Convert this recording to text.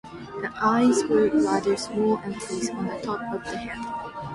The eyes were rather small and placed on the top of the head.